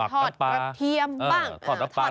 ทอดกระเทียมบ้างทอด